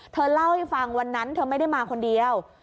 เธอเล่าให้ฟังวันนั้นเธอไม่ได้มาคนเดียว